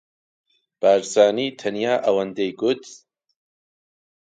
بارزانی تەنیا ئەوەندەی گوت: